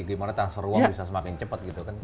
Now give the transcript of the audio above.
gimana transfer uang bisa semakin cepat gitu kan